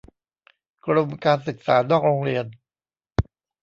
กรมการศึกษานอกโรงเรียน